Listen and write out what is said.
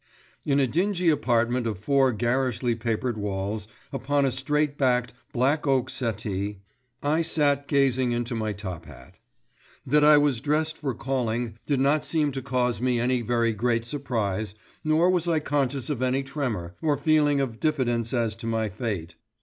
In a dingy apartment of four garishly papered walls, upon a straight backed, black oak settle, I sat gazing into my top hat. That I was dressed for calling did not seem to cause me any very great surprise, nor was I conscious of any tremor, or feeling of diffidence as to my fate.